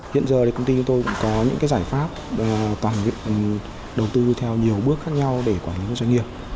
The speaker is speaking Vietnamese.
hiện giờ công ty của tôi có những giải pháp toàn nghiệp đầu tư theo nhiều bước khác nhau để quản lý doanh nghiệp